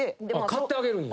買ってあげるんや。